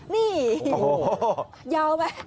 นี่ยาวไหม